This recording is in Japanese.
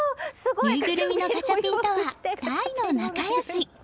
ぬいぐるみのガチャピンとは大の仲良し。